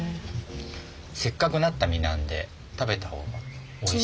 せっかくなった実なんで食べた方が。